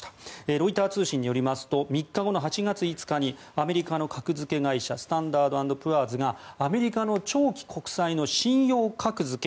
ロイター通信によりますと３日後の８月５日にアメリカの格付け会社スタンダード＆プアーズがアメリカの長期国債の信用格付け